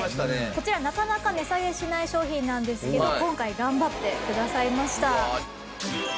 こちらなかなか値下げしない商品なんですけど今回頑張ってくださいました。